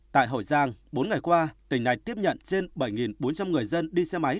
tại hậu giang bốn ngày qua tỉnh này tiếp nhận trên bảy bốn trăm linh người dân đi xe máy